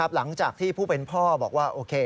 หลังจากที่ผู้เป็นพ่อบอกว่าโอเค